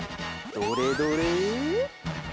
どれどれ？